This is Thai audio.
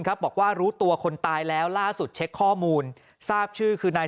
บอกว่ารู้ตัวคนตายแล้วล่าสุดเช็คข้อมูลทราบชื่อคือนาย